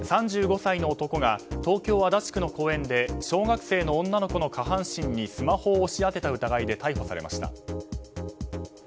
３５歳の男が東京・足立区の公園で小学生の女の子の下半身にスマホを押し当てた疑いで逮捕されました。